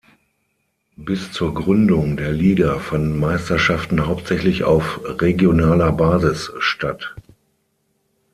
Bis zur Gründung der Liga fanden Meisterschaften hauptsächlich auf regionaler Basis statt.